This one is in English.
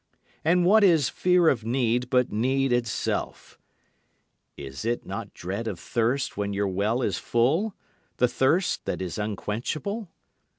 And what is fear of need but need itself? Is not dread of thirst when your well is full, the thirst that is unquenchable?